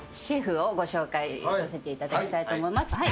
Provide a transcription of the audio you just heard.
シェフをご紹介させていただきたいと思います。